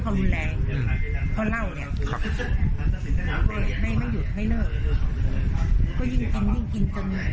ไปเพิ่มความรุนแรง